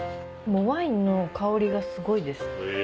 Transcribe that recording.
ワインの香りがすごいです。